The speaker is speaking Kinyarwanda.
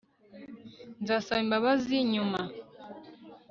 nzasaba imbabazi nyuma